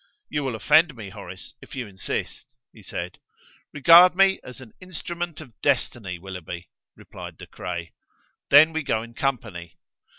"You will offend me, Horace, if you insist," he said. "Regard me as an instrument of destiny, Willoughby," replied De Craye. "Then we go in company."